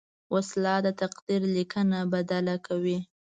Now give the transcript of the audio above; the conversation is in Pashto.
وسله د تقدیر لیکنه بدله کوي